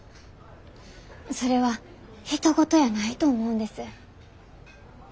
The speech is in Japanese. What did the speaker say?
それはひと事やないと思うんです。